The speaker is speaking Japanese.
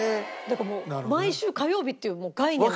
だからもう毎週火曜日っていう概念もある。